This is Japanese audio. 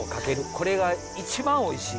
これが一番おいしい。